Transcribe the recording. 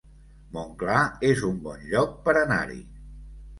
Montclar es un bon lloc per anar-hi